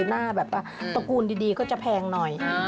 หน้าตะกูลดีก็จะแพงหน่อย